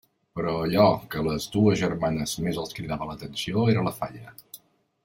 Però allò que a les dues germanes més els cridava l'atenció era la falla.